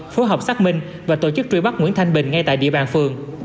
phố học sát minh và tổ chức truy bắt nguyễn thanh bình ngay tại địa bàn phường